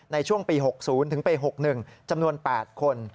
ในช่วงปี๖๐ถึงปี๖๑จำนวน๘คน